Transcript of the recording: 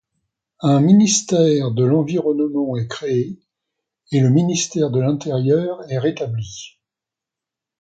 Un ministère de l'Environnement est créé et le ministère de l'Intérieur est rétabli.